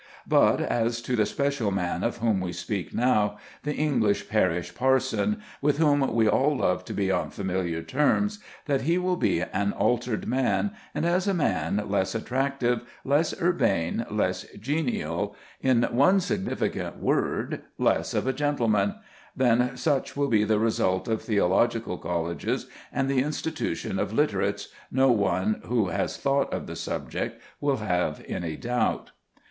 But, as to the special man of whom we speak now, the English parish parson, with whom we all love to be on familiar terms, that he will be an altered man, and as a man less attractive, less urbane, less genial, in one significant word, less of a gentleman, that such will be the result of theological colleges and the institution of "literates," no one who has thought of the subject will have any doubt.